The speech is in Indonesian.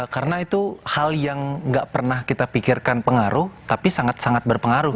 karena itu hal yang gak pernah kita pikirkan pengaruh tapi sangat sangat berpengaruh